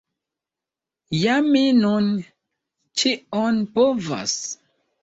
Ja mi nun ĉion povas.